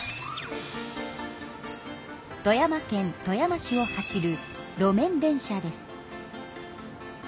富山県富山市を走る路面電車です。